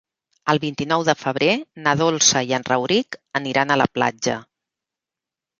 El vint-i-nou de febrer na Dolça i en Rauric aniran a la platja.